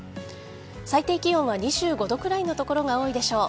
最低気温は２５度くらいの所が多いでしょう。